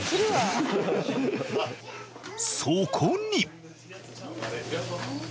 そこに。